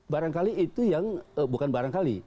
barangkali itu yang bukan barangkali